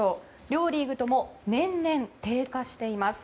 両リーグとも年々、低下しています。